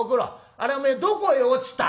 あれはお前どこへ落ちた？」。